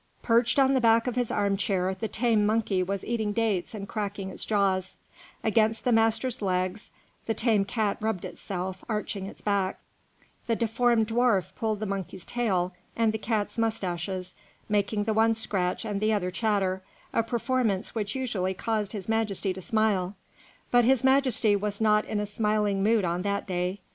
Perched on the back of his armchair the tame monkey was eating dates and cracking its jaws; against the master's legs the tame cat rubbed itself, arching its back; the deformed dwarf pulled the monkey's tail and the cat's moustaches, making the one scratch and the other chatter, a performance which usually caused His Majesty to smile; but His Majesty was not in a smiling mood on that day.